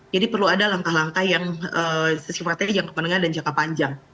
jadi perlu ada langkah langkah yang sifatnya jangka menengah dan jangka panjang